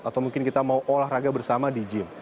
atau mungkin kita mau olahraga bersama di gym